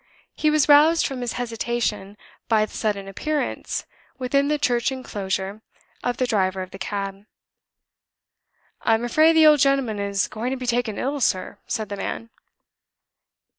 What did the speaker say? He was roused from his hesitation by the sudden appearance, within the church inclosure, of the driver of the cab. "I'm afraid the old gentleman is going to be taken ill, sir," said the man.